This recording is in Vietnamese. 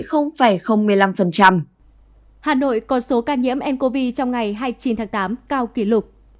hà nội có số ca nhiễm ncov trong ngày hai mươi chín tháng tám cao kỷ lục